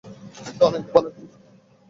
এটা অনেক ভাল একটা চুক্তি।